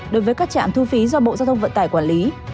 đối với các trạm thu phí do bộ giao thông vận tải quản lý